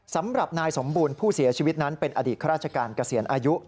สำหรับนายสมบูรณ์ผู้เสียชีวิตนั้นเป็นอดีตข้าราชการเกษียณอายุ